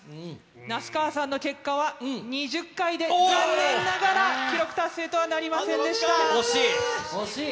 那須川さんの結果は２０回で残念ながら記録達成とはなりませんで惜しい。